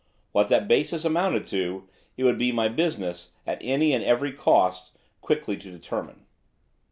What that basis amounted to, it would be my business, at any and every cost, quickly to determine.